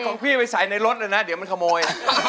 ของพี่ไปใส่ในรถเลยนะเดี๋ยวมันขโมย